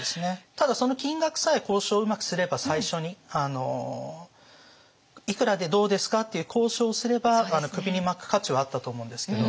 ただ金額さえ交渉をうまくすれば最初に「いくらでどうですか？」っていう交渉をすれば首に巻く価値はあったと思うんですけど。